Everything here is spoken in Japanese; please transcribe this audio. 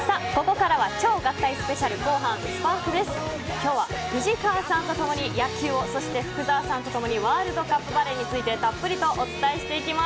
今日は藤川さんとともに野球を福澤さんとともにワールドカップバレーについてたっぷりとお伝えしていきます。